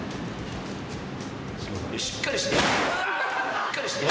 しっかりして。